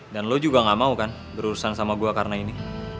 dan lo juga gak mau kan berurusan sama gue karena ini